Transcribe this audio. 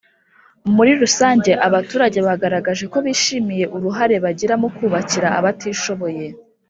Muri rusange abaturage bagaragaje ko bishimiye uruhare bagira mu kubakira abatishoboye